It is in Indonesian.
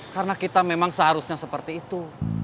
karena kita memang seharusnya seperti itu